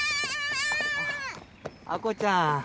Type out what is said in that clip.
あっ亜子ちゃん。